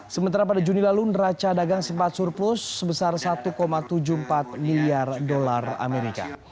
sementara pada juni lalu neraca dagang sempat surplus sebesar satu tujuh puluh empat miliar dolar amerika